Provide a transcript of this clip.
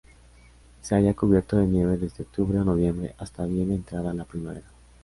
Se halla cubierto de nieve desde octubre o noviembre hasta bien entrada la primavera.